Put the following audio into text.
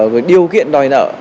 về điều kiện đòi nợ